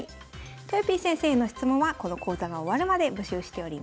とよぴー先生の質問はこの講座が終わるまで募集しております。